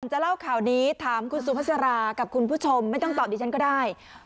จะเล่าข่าวนี้ถามคุณสุภาษารากับคุณผู้ชมไม่ต้องตอบดิฉันก็ได้